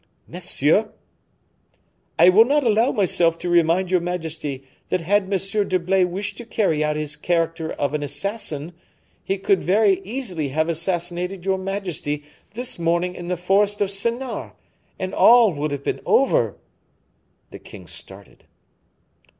"Monsieur!" "I will not allow myself to remind your majesty that had M. d'Herblay wished to carry out his character of an assassin, he could very easily have assassinated your majesty this morning in the forest of Senart, and all would have been over." The king started.